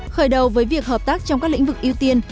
khởi đầu với việc hợp tác trong các lĩnh vực ưu tiên